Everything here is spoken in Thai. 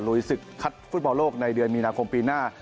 ศึกคัดฟุตบอลโลกในเดือนมีนาคมปีหน้า